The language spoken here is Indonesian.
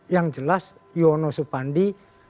yang jelas yono supandi